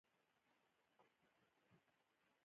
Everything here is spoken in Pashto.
بدرنګه عقل له حسده ډک وي